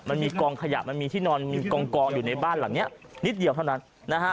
มันมีกองขยะมันมีที่นอนมีกองอยู่ในบ้านหลังนี้นิดเดียวเท่านั้นนะฮะ